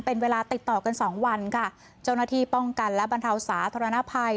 เป็นเวลาติดต่อกันสองวันค่ะเจ้าหน้าที่ป้องกันและบรรเทาสาธารณภัย